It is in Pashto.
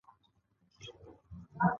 ایا ستاسو خوښي به نه ختمیدونکې نه وي؟